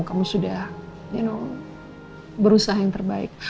kamu sudah you know berusaha yang terbaik